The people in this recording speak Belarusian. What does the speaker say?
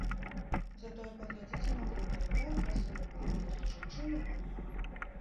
Затое паглядзіце на фота, якая красуня была, проста жанчына-вамп!